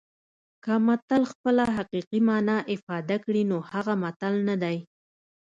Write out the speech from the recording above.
که متل خپله حقیقي مانا افاده کړي نو هغه متل نه دی